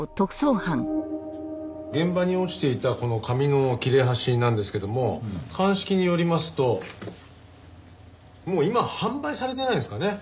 現場に落ちていたこの紙の切れ端なんですけども鑑識によりますともう今は販売されてないんですかね